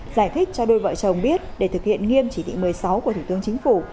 giải thích cho đôi vợ chồng biết để thực hiện nghiêm chỉ thị một mươi sáu của thủ tướng chính phủ